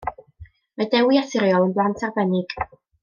Mae Dewi a Siriol yn blant arbennig.